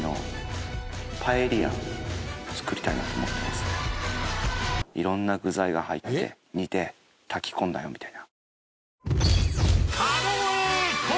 さらに色んな具材が入って煮て炊きこんだよみたいな。